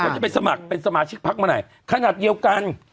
จะไปสมัครเป็นสมาชิกพักเมื่อไหร่ขนาดเดียวกัน